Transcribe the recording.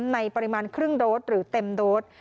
ในปริมาณครึ่งโดสหรือเต็มโดส